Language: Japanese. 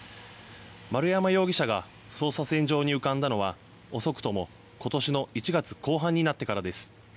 丸山容疑者が捜査線上に浮かんだのは遅くとも、今年の１月後半になってからです。